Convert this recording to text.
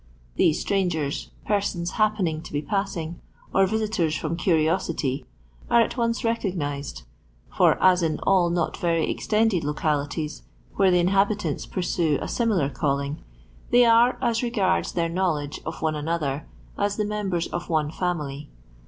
These strangers, persons happening to be passing, or visitors from curiosity, are at once recognised ; for as in all not very ex tended hicalities, where the inhabitants pursue a abniiar calling, they are, as regards their know ledge of one another, as the members of one fiunily.